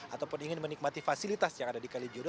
ataupun ingin menikmati fasilitas yang ada di kalijodo